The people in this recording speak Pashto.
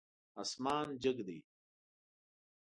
اسمان جګ ده